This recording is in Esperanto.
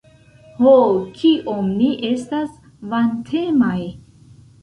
Ho, kiom ni estas vantemaj!